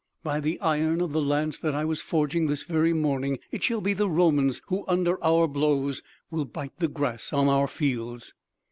By the iron of the lance that I was forging this very morning, it shall be the Romans who, under our blows, will bite the grass on our fields!"